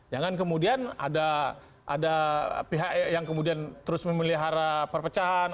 jangan kemudian ada pihak yang kemudian terus memelihara perpecahan